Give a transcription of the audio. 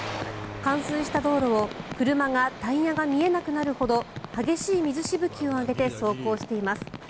冠水した道路を車が、タイヤが見えなくなるほど激しい水しぶきを上げて走行しています。